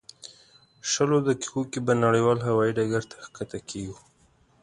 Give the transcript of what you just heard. شلو دقیقو کې به نړیوال هوایي ډګر ته ښکته کېږو.